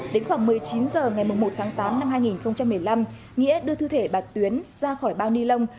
đến khoảng một mươi chín h ngày một tháng tám năm hai nghìn một mươi năm nghĩa đưa thi thể bà tuyến ra khỏi bao ni lông